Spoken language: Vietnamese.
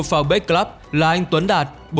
phào bếch club là anh tuấn đạt